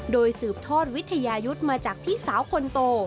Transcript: โดยสืบทอดวิทยายุทธ์มาจากพี่สาวคนโต